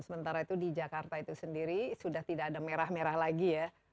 sementara itu di jakarta itu sendiri sudah tidak ada merah merah lagi ya